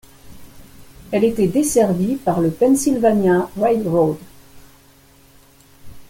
Elle était desservie par le Pennsylvania Railroad.